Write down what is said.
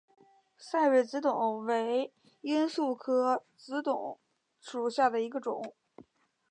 赛北紫堇为罂粟科紫堇属下的一个种。